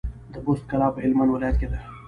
د بُست کلا په هلمند ولايت کي ده